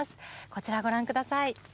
こちらご覧ください。